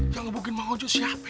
yang ngebukin mang ojo siapa ya